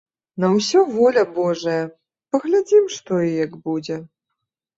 На ўсё воля божая, паглядзім што і як будзе.